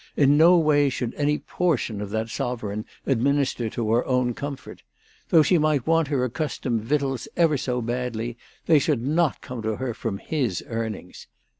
In no way should any portion of that sovereign administer to her own comfort. Though she might want her accustomed victuals ever so badly, they should not come to her from his earnings.